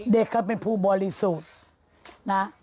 เด็กเขาเป็นผู้บริสุทธิ์นะ